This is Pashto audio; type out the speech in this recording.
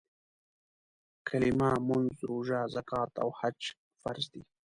کلیمه، مونځ، روژه، زکات او حج فرض دي.